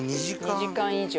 ２時間以上！